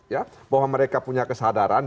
ya bahwa mereka punya kesadaran